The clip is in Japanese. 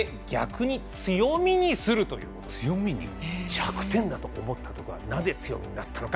弱点だと思ったところがなぜ強みになったのか。